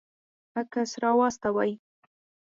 عکس راواستوئ